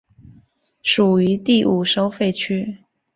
属于第五收费区。